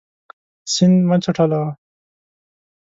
سیند مه چټلوه.